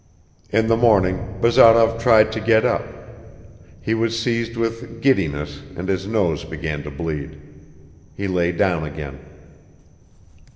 In the morning Bazarov tried to get up; he was seized with giddiness, and his nose began to bleed; he lay down again.